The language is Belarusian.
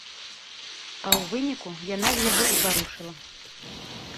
А ў выніку яна ж яго і парушыла.